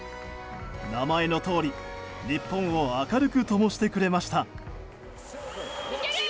名前のとおり、日本を明るくともしてくれました。